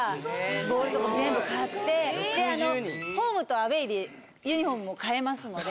ボールとか全部買ってであのホームとアウェイでユニフォームも変えますので。